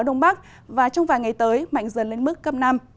đông bắc và trong vài ngày tới mạnh dần lên mức cấp năm